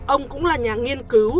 ông cũng là nhà nghiên cứu